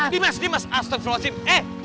dimas dimas astagfirullahaladzim eh